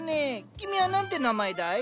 君は何て名前だい？